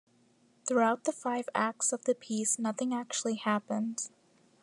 Throughout the five acts of the piece nothing actually happens.